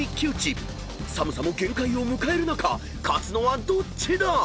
［寒さも限界を迎える中勝つのはどっちだ⁉］